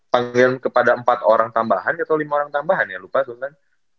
panggil kepada empat orang tambahan atau lima orang tambahan ya lupa sultan